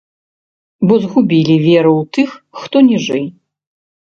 Бо згубілі веру ў тых, хто ніжэй.